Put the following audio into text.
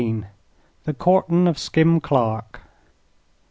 THE COURT'N OF SKIM CLARK.